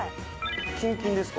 「キンキンですか？」